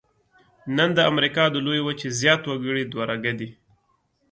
نن د امریکا د لویې وچې زیات وګړي دوه رګه دي.